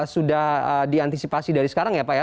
sudah diantisipasi dari sekarang ya pak ya